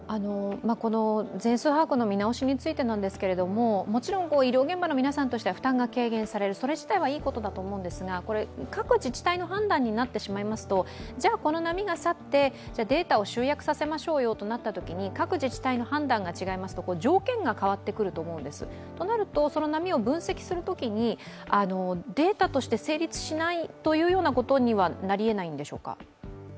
全数把握の見直しについてなんですけれども、もちろん医療現場の皆さんとしては負担が軽減される、それ自体はいいことだと思うんですが各自治体の判断になってしまうと、この波が去ってデータを集約させましょうとなったときに、各自治体の判断が違ってくると条件が変わってくると思うんです、となるとその波を分析するときにデータとして成立しないということには、なりえないんでしょうか？